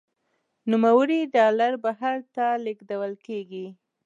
نوموړي ډالر بهر ته لیږدول کیږي.